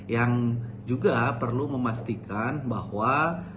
yang juga perlu memastikan bahwa